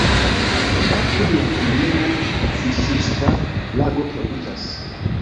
Apud la komunumo fiŝista lago troviĝas.